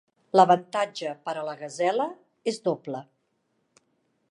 L'avantatge per a la gasela és doble.